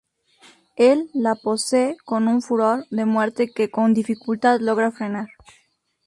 Él la posee con un furor de muerte que con dificultad logra frenar.